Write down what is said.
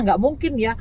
gak mungkin ya